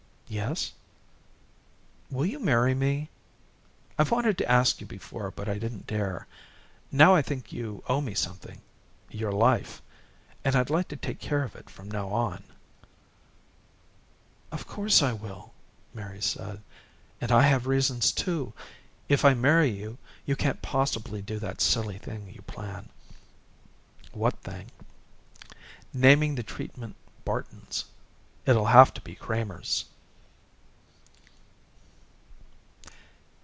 "Yes?" "Will you marry me? I've wanted to ask you before, but I didn't dare. Now I think you owe me something your life. And I'd like to take care of it from now on." "Of course I will," Mary said. "And I have reasons, too. If I marry you, you can't possibly do that silly thing you plan." "What thing?" "Naming the treatment Barton's. It'll have to be Kramer's."